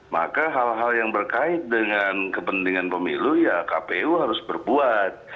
maka hal hal yang berkait dengan kepentingan pemilu ya kpu harus berbuat